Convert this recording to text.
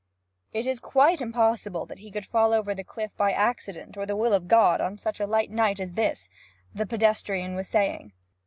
'It is quite impossible that he could fall over the cliff by accident or the will of God on such a light night as this,' the pedestrian was saying.